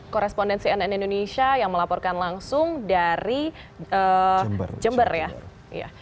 korespondensi nn indonesia yang melaporkan langsung dari jember ya